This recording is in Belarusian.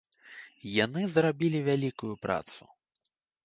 Яны зрабілі вялікую працу.